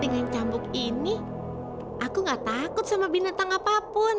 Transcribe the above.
dengan cambuk ini aku gak takut sama binatang apapun